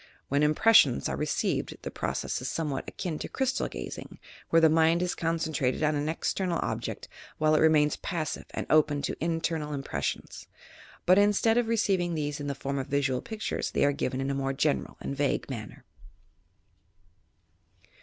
When impressions are received, the process is somewhat akin to crystal gazing, where the mind is concentrated on an external object while it remains passive and open to internal impres sions; but, instead of receiving these in the form of visual pictures, they are given in a more general and vague manner.